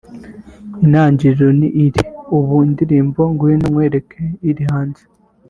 itangiriro n’iri ubu indirimbo Ngwino nkwereke iri hanze